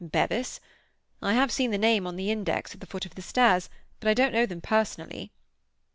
"Bevis? I have seen the name on the index at the foot of the stairs; but I don't know them personally."